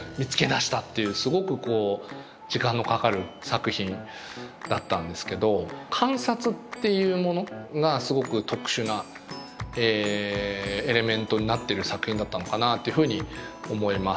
すごくこう時間のかかる作品だったんですけど観察っていうものがすごく特殊なエレメントになってる作品だったのかなっていうふうに思います。